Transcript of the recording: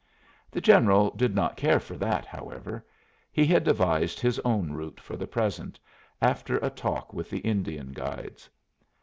The General did not care for that, however; he had devised his own route for the present, after a talk with the Indian guides.